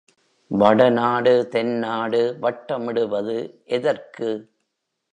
வடநாடு தென்நாடு வட்டமிடுவது எதற்கு?